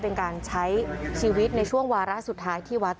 เป็นการใช้ชีวิตในช่วงวาระสุดท้ายที่วัด